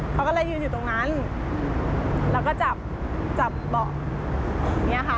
เขาก็เลยยืนอยู่ตรงนั้นแล้วก็จับจับเบาะอย่างนี้ค่ะ